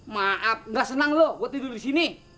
maaf nggak senang loh gue tidur di sini